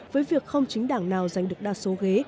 với việc không chính đảng nào giành được đa số ghế